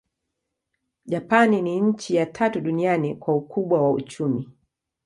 Japani ni nchi ya tatu duniani kwa ukubwa wa uchumi.